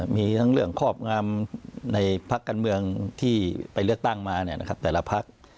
มีทั้งเรื่องครอบงามในพักการเมืองที่ไปเลือกตั้งมาแต่ละพัก